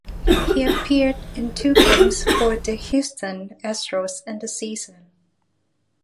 He appeared in two games for the Houston Astros in the season.